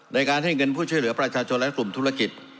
ในการให้เงินผู้ช่วยเหลือประชาชนและกลุ่มธุรกิจ